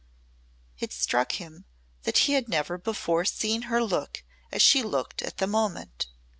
It struck him that he had never before seen her look as she looked at the moment.